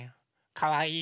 かわいいよ。